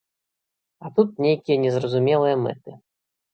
А тут нейкія незразумелыя мэты.